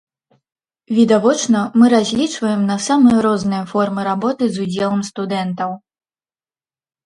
Відавочна, мы разлічваем на самыя розныя формы работы з удзелам студэнтаў.